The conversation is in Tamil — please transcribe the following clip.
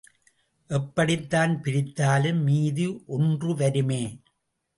எப்படித்தான் பிரித்தாலும், மீதி ஒன்று வருமே!